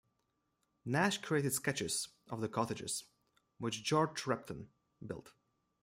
Nash created sketches of the cottages, which George Repton built.